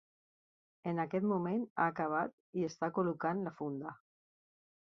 En aquest moment ha acabat i està col·locant la funda.